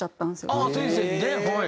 ああー先生にねはい。